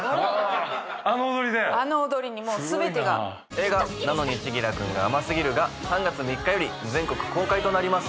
映画『なのに、千輝くんが甘すぎる。』が３月３日より全国公開となります。